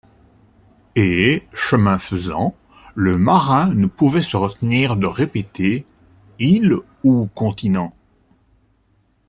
Et, chemin faisant, le marin ne pouvait se retenir de répéter :« Île ou continent